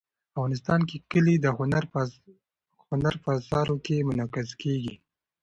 افغانستان کې کلي د هنر په اثار کې منعکس کېږي.